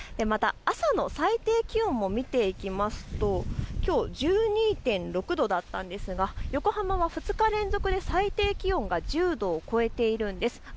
また朝の最低気温も見ていきますときょう１２．６度だったんですが横浜も２日連続で最低気温が１０度を超えているんです。